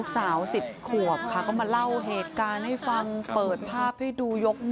ลุงบอกความเป็นธรรมช่วยนะคะให้กับพ่อหนูนะคะ